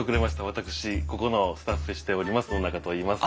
私ここのスタッフしております野中といいます。